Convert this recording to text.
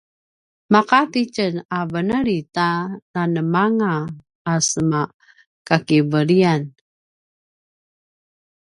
maqati tjen a veneli ta nemanemanga a sema kakiveliyan